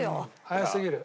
早すぎる。